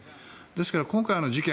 ですから、今回の事件